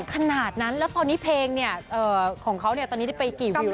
ขนาดนั้นแล้วตอนนี้เพลงของเขาไปกี่วิวแล้ว